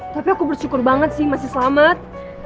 tapi aku bersyukur banget sih masih selamat